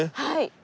はい。